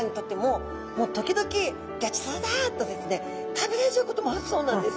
食べられちゃうこともあるそうなんです。